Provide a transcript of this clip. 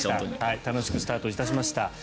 楽しくスタートしました。